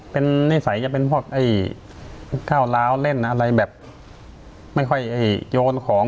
เป็นนิสัยจะเป็นพวกก้าวร้าวเล่นอะไรแบบไม่ค่อยโยนของ